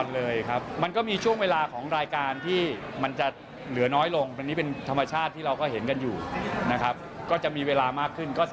เล่นกับพี่แมมเยอะจริง